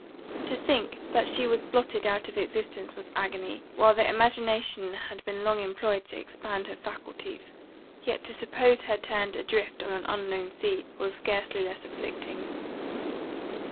To think that she was blotted out of existence was agony, when the imagination had been long employed to expand her faculties; yet to suppose her turned adrift on an unknown sea, was scarcely less afflicting.